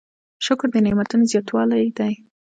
شکر د نعمتونو زیاتوالی دی.